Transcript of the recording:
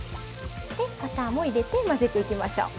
でバターも入れて混ぜていきましょう。